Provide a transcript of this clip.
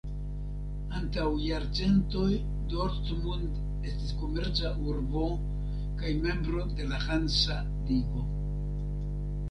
Antaŭ jarcentoj Dortmund estis komerca urbo kaj membro de la Hansa Ligo.